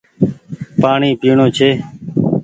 پآڻيٚ پيڻو ڇي